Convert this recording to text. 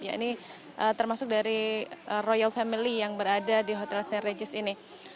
ya ini termasuk dari royal family yang berada di hotel st regis ini